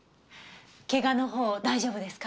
けがのほう大丈夫ですか？